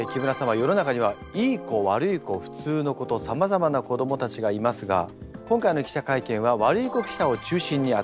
世の中にはいい子悪い子普通の子とさまざまな子どもたちがいますが今回の記者会見は悪い子記者を中心に集まっています。